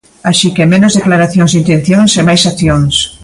Así que, menos declaracións de intencións e máis accións.